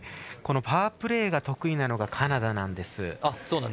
パワープレーが得意なのがカナダなんです。